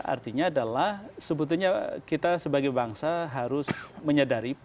artinya adalah sebetulnya kita sebagai bangsa harus menyadari